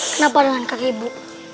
kenapa dengan kaki ibu